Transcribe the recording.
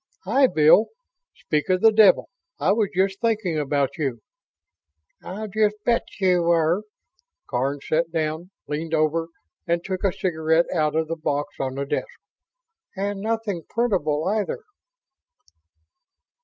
"Hi, Bill speak of the devil! I was just thinking about you." "I'll just bet you were." Karns sat down, leaned over, and took a cigarette out of the box on the desk. "And nothing printable, either."